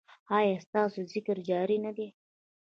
ایا ستاسو ذکر جاری نه دی؟